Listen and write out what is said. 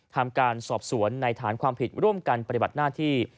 ทำการสอบสวนในฐานความผิดร่วมกันปฏิบัติหน้าที่